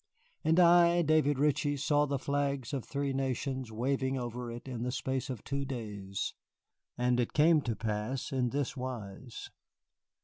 And I, David Ritchie, saw the flags of three nations waving over it in the space of two days. And it came to pass in this wise.